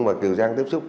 mà kiều trang tiếp xúc